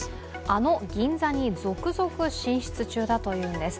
あの銀座に続々進出中だというんです。